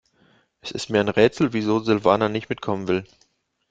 Es ist mir ein Rätsel, wieso Silvana nicht mitkommen will.